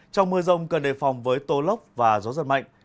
trong mưa rông cần đề phòng với tô lốc và gió giật mạnh